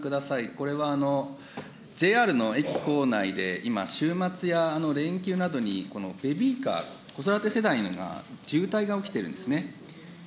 これはＪＲの駅構内で今、週末や連休などにベビーカー、子育て世代に渋滞が起きてるんですね。